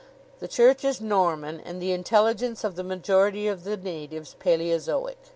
The church is Norman and the intelligence of the majority of the natives Paleozoic.